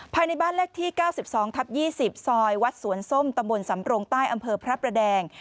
ภายในบ้านเลขที่๙๒ทับ๒๐ซอยวัดสวนส้มตำบลสำรงใต้อำเภอพระประแดง